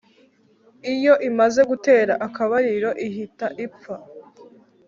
Iyo imaze gutera akabariro ihita ipfa